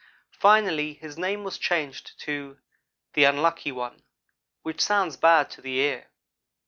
Finally his name was changed to 'The Unlucky one,' which sounds bad to the ear.